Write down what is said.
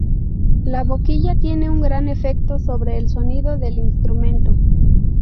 La boquilla tiene un gran efecto sobre el sonido del instrumento.